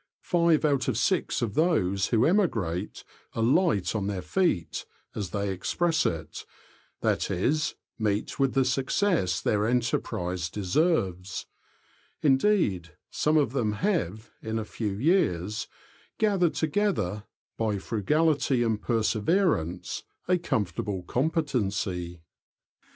Five out of six of those who emigrate ''ahght on their feet," as they express it — that is, meet with the success their enterprise de serves ; indeed, some of them have, in a few years, gathered together, by frugality and perseverance, a comfortable competency.